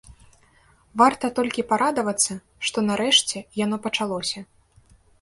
Варта толькі парадавацца, што нарэшце яно пачалося.